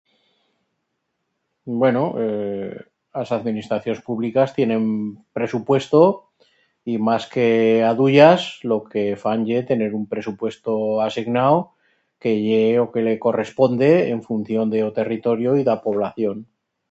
Bueno, ee, as administracions publicas tienen presupuesto y mas que aduyas lo que fan ye tener un presupuesto asignau que ye o que le corresponde en función de o territorio y d'a población.